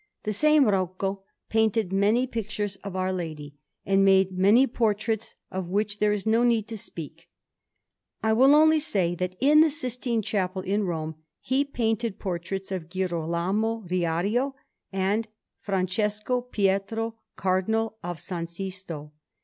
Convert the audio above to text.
The same Rocco painted many pictures of Our Lady, and made many portraits, of which there is no need to speak; I will only say that in the Sistine Chapel in Rome he painted portraits of Girolamo Riario and of F. Pietro, Cardinal of San Sisto.